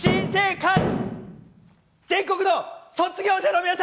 新生活！